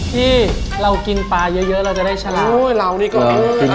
พี่เรากินปลาเยอะเราจะได้ฉลาด